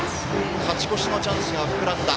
勝ち越しのチャンスが膨らんだ。